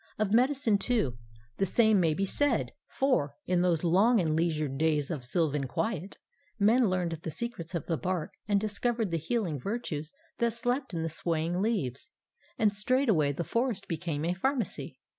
Of medicine, too, the same may be said; for, in those long and leisured days of sylvan quiet, men learned the secrets of the bark and discovered the healing virtues that slept in the swaying leaves; and straightway the forest became a pharmacy.